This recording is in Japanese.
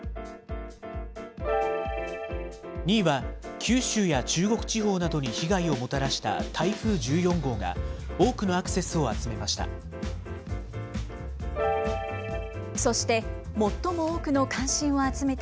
２位は、九州や中国地方などに被害をもたらした台風１４号が、多くのアクセスを集めました。